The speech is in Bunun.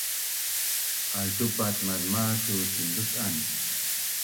Altupat mazma’az tu sinluc’an